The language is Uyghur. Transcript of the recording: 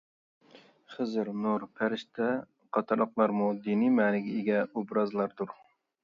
خىزىر، نۇر، پەرىشتە قاتارلىقلارمۇ دىنى مەنىگە ئىگە ئوبرازلاردۇر.